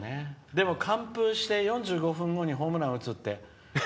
でも、完封して４５分後にホームランを打つって。